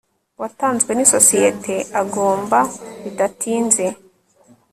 watanzwe n isosiyete agomba bidatinze